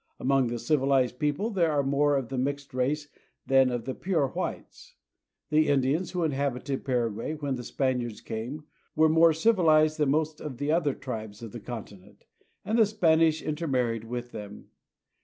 Among the civilized people there are more of the mixed race than of the pure whites. The Indians who inhabited Paraguay when the Spaniards came were more civilized than most of the other tribes of the continent, and the Spaniards intermarried with them.